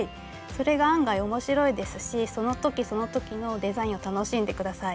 それが案外面白いですしその時その時のデザインを楽しんで下さい。